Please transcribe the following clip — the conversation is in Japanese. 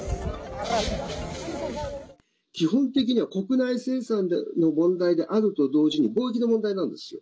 基本的には国内生産の問題であると同時に貿易の問題なんですよ。